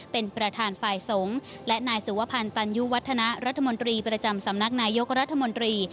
เป็นประธานฝ่ายสงฆ์และนายสุวพันธ์ตันยุวัฒนะรัฐมนตรีประจำสำนักนายกรัฐมนตรี